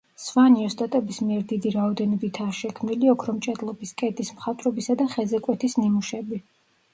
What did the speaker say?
სვანი ოსტატების მიერ დიდი რაოდენობითაა შექმნილი ოქრომჭედლობის, კედლის მხატვრობისა და ხეზე კვეთის ნიმუშები.